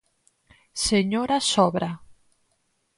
Señora Zobra.